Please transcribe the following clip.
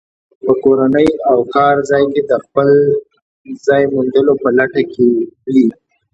په کورنۍ او کارځای کې د خپل ځای موندلو په لټه کې وي.